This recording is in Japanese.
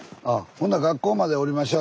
ほんなら学校まで下りましょう。